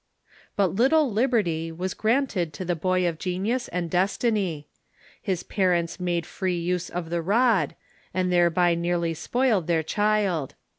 But little liberty was granted to the boy of genius and des tiny. His parents made free use of the rod, and thereby nearly spoiled their child.